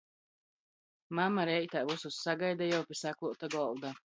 Mama reitā vysus sagaida jau pi sakluota golda.